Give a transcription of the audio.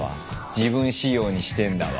自分仕様にしてんだわ。